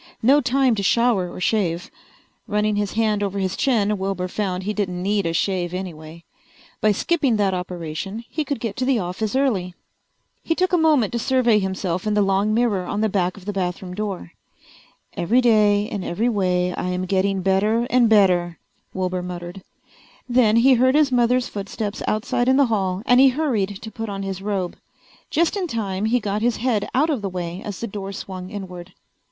No time to shower or shave. Running his hand over his chin Wilbur found he didn't need a shave anyway. By skipping that operation he could get to the office early. [Illustration: When the world's most cowardly man met the world's bravest history was changed] He took a moment to survey himself in the long mirror on the back of the bathroom door. "Every day in every way I am getting better and better," Wilbur muttered. Then he heard his mother's footsteps outside in the hall and he hurried to put on his robe. Just in time he got his head out of the way as the door swung inward.